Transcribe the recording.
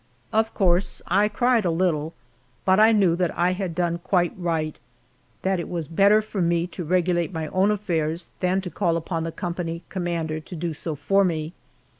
Of course I cried a little, but I knew that I had done quite right, that it was better for me to regulate my own affairs than to call upon the company commander to do so for me.